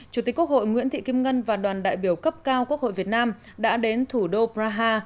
chủ tịch quốc hội nguyễn thị kim ngân và đoàn đại biểu cấp cao quốc hội việt nam đã đến thủ đô praha